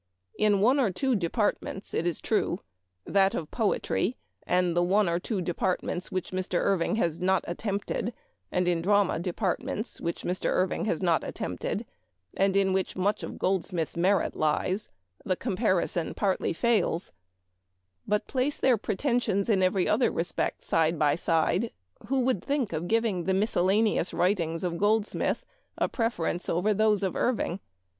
In one or two depart ments, it is true — that of poetry, and the one or two departments which Mr. Irving has not attempted, and in drama departments, which Mr. Irving has not attempted, and in which much of Goldsmith's merit lies — the comparison partly fails ; but place their pretensions in every other respect side by side, who would think of giving the miscellaneous writings of Gold smith a preference over those of Irving